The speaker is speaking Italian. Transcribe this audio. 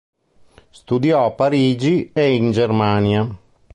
Studiò a Parigi e in Germania.